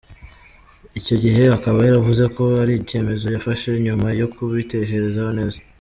Icyo gihe akaba yaravuze ko ari icyemezo yafashe nyuma yo kubitekerezaho neza.